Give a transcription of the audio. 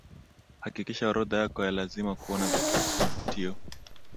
hakikisha orodha yako ya lazima kuona vivutio